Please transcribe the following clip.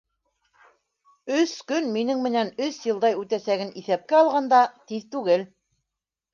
Өс көн минең өсөн өс йылдай үтәсәген иҫәпкә алғанда, тиҙ түгел.